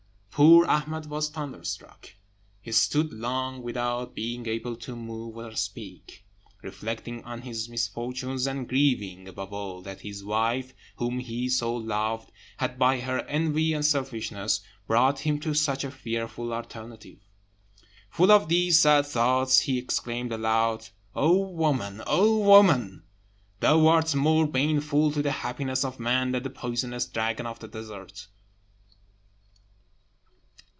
Poor Ahmed was thunderstruck. He stood long without being able to move or speak, reflecting on his misfortunes, and grieving, above all, that his wife, whom he so loved, had, by her envy and selfishness, brought him to such a fearful alternative. Full of these sad thoughts, he exclaimed aloud, "O woman, woman! thou art more baneful to the happiness of man than the poisonous dragon of the desert!"